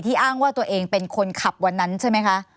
อ้างว่าตัวเองเป็นคนขับวันนั้นใช่ไหมคะ